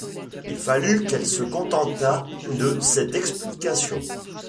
Il fallut qu’elle se contentât de cette explication.